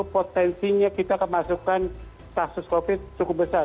potensinya kita akan masukkan kasus covid cukup besar